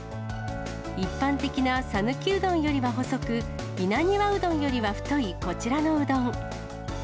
一般的な讃岐うどんよりは細く、稲庭うどんよりは太いこちらのうどん。